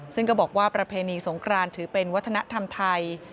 ซึ่งก็บอกว่าประเพณีสงครานถือเป็นวัฒนธรรมไทย